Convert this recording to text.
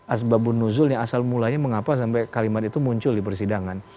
asbabun nuzulnya asal mulanya mengapa sampai kalimat itu muncul di persidangan